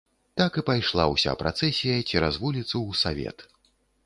Так і пайшла ўся працэсія цераз вуліцу ў савет.